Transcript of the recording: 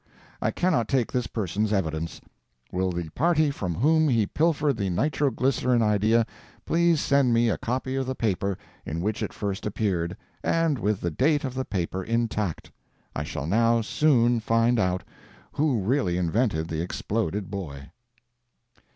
I cannot take this person's evidence. Will the party from whom he pilfered the nitro glycerine idea please send me a copy of the paper in which it first appeared, and with the date of the paper intact? I shall now soon find out who really invented the exploded boy.